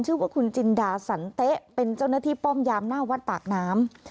ชื่อว่าคุณจินดาสันเต๊ะเป็นเจ้าหน้าที่ป้อมยามหน้าวัดปากน้ำ